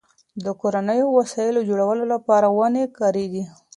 د کورنیو وسایلو جوړولو لپاره ونې کارېږي.